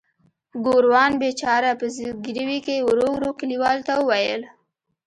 ګوروان بیچاره په زګیروي کې ورو ورو کلیوالو ته وویل.